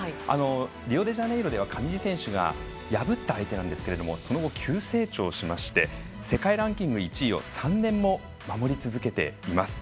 リオデジャネイロでは上地選手が破った相手なんですがその後、急成長しまして世界ランキング１位を３年も守り続けています。